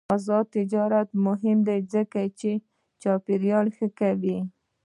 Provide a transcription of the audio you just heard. آزاد تجارت مهم دی ځکه چې چاپیریال ښه کوي.